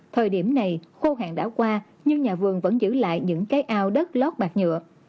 thời điểm này khô hạn đã qua nhưng nhà vườn vẫn giữ lại những cái ao đất lót bạc nhựa